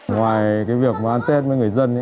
ngoài việc an tết với người dân